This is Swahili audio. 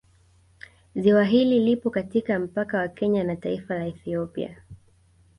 Ziwa hili lipo katika mpaka wa Kenya na taifa la Ethiopia